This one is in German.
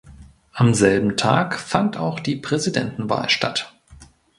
Am selben Tag fand auch die Präsidentenwahl statt.